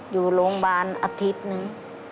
อยู่โรงพยาบาลอาทิตย์หนึ่ง